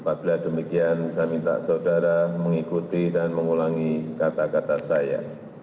apabila demikian saya minta saudara mengikuti dan mengulangi kata kata saya